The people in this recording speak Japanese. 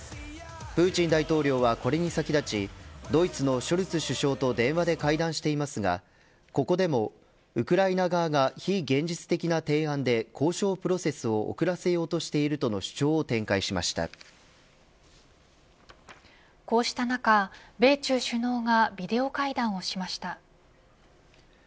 プーチン大統領はこれに先立ちドイツのショルツ首相と電話で会談していますがここでもウクライナ側が非現実的な提案で交渉プロセスを遅らせようとしているとの主張をこうした中米中首脳がビデオ会談をしました。